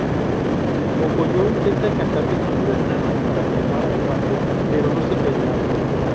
Pocoyó intenta cantarle una nana para calmar a Pato, pero no sirve de nada.